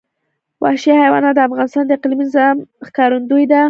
وحشي حیوانات د افغانستان د اقلیمي نظام ښکارندوی ده.